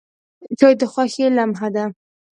چای د خوښۍ لمحه ده.